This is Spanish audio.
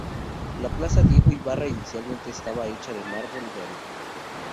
La Plaza Diego Ibarra inicialmente estaba hecha en mármol y granito.